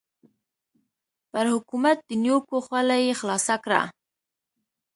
پر حکومت د نیوکو خوله یې خلاصه کړه.